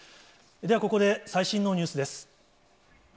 ではここで、最新のニュースです。